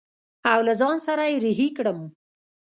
او له ځان سره يې رهي کړم.